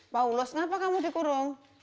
paulos kenapa kamu dikurung